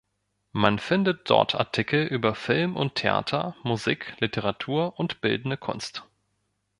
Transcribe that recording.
Man findet dort Artikel über Film und Theater, Musik, Literatur und Bildende Kunst.